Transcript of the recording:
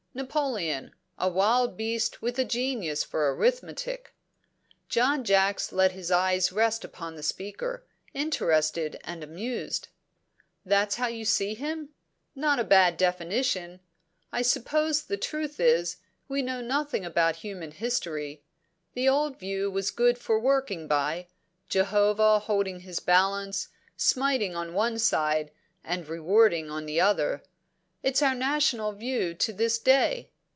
Napoleon a wild beast with a genius for arithmetic." John Jacks let his eyes rest upon the speaker, interested and amused. "That's how you see him? Not a bad definition. I suppose the truth is, we know nothing about human history. The old view was good for working by Jehovah holding his balance, smiting on one side, and rewarding on the other. It's our national view to this day.